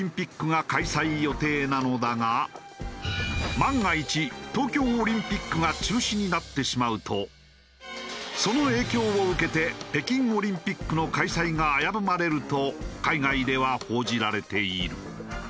万が一東京オリンピックが中止になってしまうとその影響を受けて北京オリンピックの開催が危ぶまれると海外では報じられている。